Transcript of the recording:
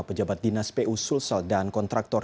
pejabat dinas pu sulsel dan kontraktor